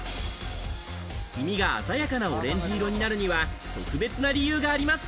黄身が鮮やかなオレンジ色になるには特別な理由があります。